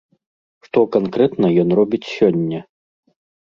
Што канкрэтна ён робіць сёння?